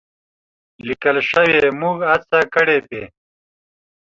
لیکل شوې، موږ هڅه کړې په